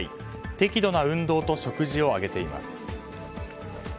適度な運動と食事を挙げています。